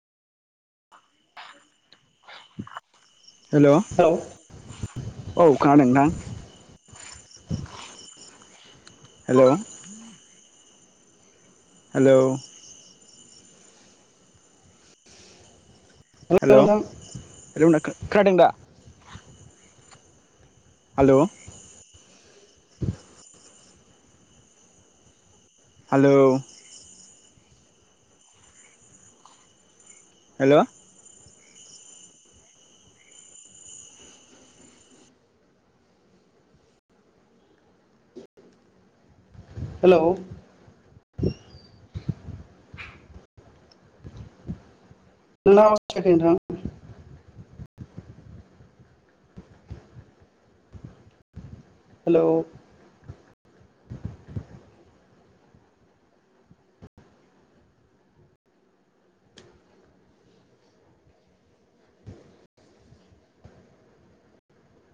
हेल' hello औ खोनादों ना हेल' हेलौ हेल' हेलौ नोंथां' खोनादों दा? हाल' हालौ हेल' हेलौ [unintelligible] हेलौ